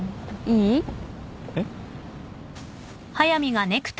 いい？えっ？